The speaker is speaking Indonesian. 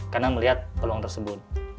karena melihat peluang tersebut